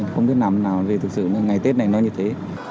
không biết làm nào vì thực sự ngày tết này nó như thế